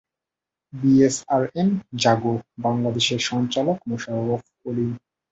BSRM জাগো বাংলাদেশের সঞ্চালক মোশাররফ করিম।